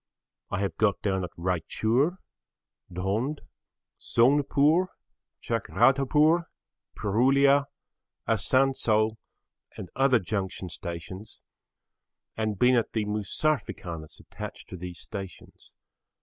I have got down at Raichur, Dhond, Sonepur, Chakradharpur, Purulia, Asansol and other junction stations and been at the 'Mosafirkhanas' attached to these stations.